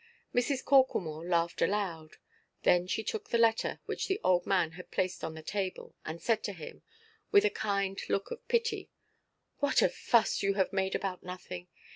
Mrs. Corklemore laughed aloud; then she took the letter, which the old man had placed upon the table, and said to him, with a kind look of pity: "What a fuss you have made about nothing!